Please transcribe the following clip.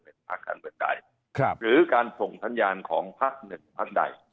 หรือพักการเมืองใดหรือการส่งทัญญาณของพักเมืองใด